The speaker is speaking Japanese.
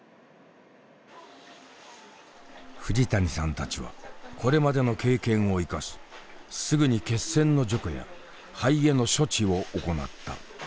藤谷さんたちはこれまでの経験を生かしすぐに血栓の除去や肺への処置を行った。